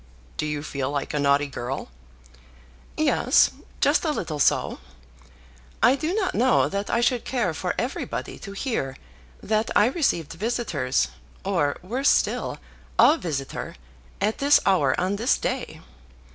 "Do you feel like a naughty girl?" "Yes; just a little so. I do not know that I should care for everybody to hear that I received visitors, or worse still, a visitor, at this hour on this day.